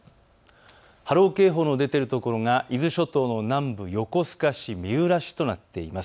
波浪警報の出ているところが伊豆諸島の南部、横須賀市、三浦市となっています。